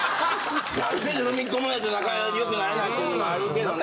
ある程度踏み込まないと仲良くなれないというのもあるけどね。